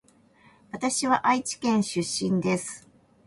わたしは愛知県出身です